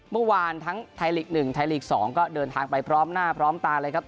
เมื่อวานทั้งไทยลีก๑ไทยลีก๒ก็เดินทางไปพร้อมหน้าพร้อมตาเลยครับ